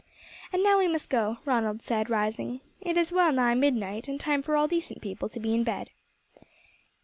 "And now we must go," Ronald said, rising. "It is well nigh midnight, and time for all decent people to be in bed."